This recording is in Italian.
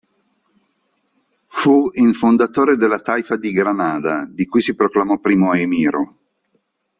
Fu in fondatore della Taifa di Granada, di cui si proclamò primo Emiro.